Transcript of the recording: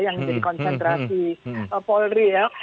yang menjadi konsentrasi polri ya